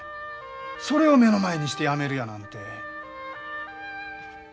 それを目の前にしてやめるやなんて。